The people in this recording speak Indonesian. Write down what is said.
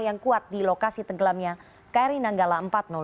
yang kuat di lokasi tenggelamnya kri nanggala empat ratus dua